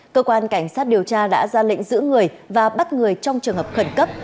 cơ quan cảnh sát điều tra đã ra lệnh giữ người và bắt người trong trường hợp khẩn cấp